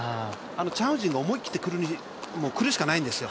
チャン・ウジンが思い切ってくるしかないんですよ。